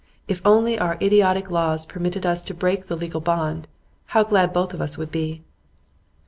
If only our idiotic laws permitted us to break the legal bond, how glad both of us would be!